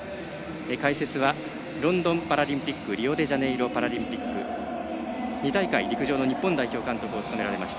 解説はロンドンパラリンピックリオデジャネイロパラリンピック２大会、日本代表の陸上の監督を務められました。